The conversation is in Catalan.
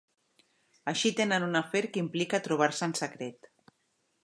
Així tenen un afer que implica trobar-se en secret.